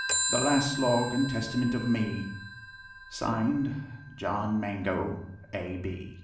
The last Log and Testament of me, "(Signed) John Mango, A.